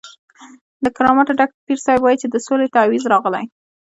له کراماتو ډک پیر صاحب وایي چې د سولې تعویض راغلی.